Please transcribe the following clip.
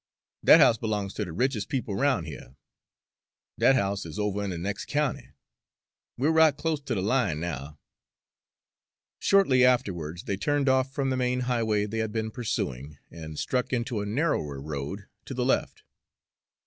"Dat house b'longs ter de riches' people roun' here. Dat house is over in de nex' county. We're right close to de line now." Shortly afterwards they turned off from the main highway they had been pursuing, and struck into a narrower road to the left.